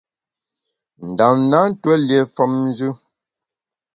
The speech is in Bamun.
Ndam na ntuó lié femnjù.